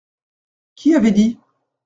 Qui avait dit ?